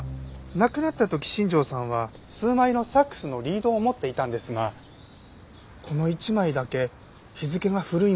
亡くなった時新庄さんは数枚のサックスのリードを持っていたんですがこの１枚だけ日付が古いみたいなんです。